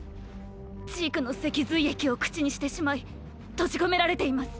ジークの脊髄液を口にしてしまい閉じ込められています。